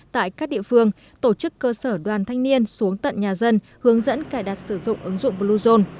tại các địa phương tổ chức cơ sở đoàn thanh niên xuống tận nhà dân hướng dẫn cài đặt sử dụng ứng dụng bluezone